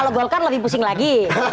kalau golkar lebih pusing lagi